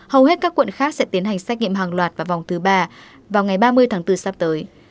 hầu hết các quận khác sẽ tiến hành xét nghiệm hàng loạt vào vòng thứ ba vào ngày ba mươi tháng bốn sắp tới